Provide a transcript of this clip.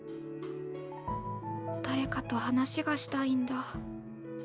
誰かと話がしたいんだ。